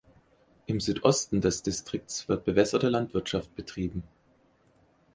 Im Südosten des Distrikts wird bewässerte Landwirtschaft betrieben.